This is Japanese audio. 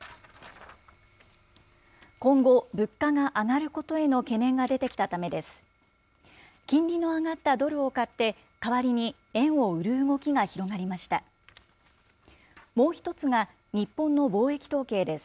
今後、物価が上がることへの懸念が出てきたためです。